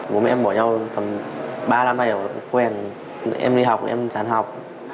bố mẹ em bỏ nhau tầm ba năm nay em đi học em tràn học